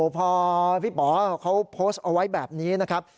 พอพี่ป๋อเขาโพสต์เอาไว้แบบนี้นะครับ